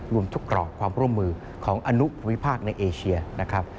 รวมทุกกรอบความร่วมมือของอนุภูมิภาคในเอเชียนะครับ